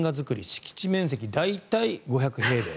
敷地面積、大体５００平米。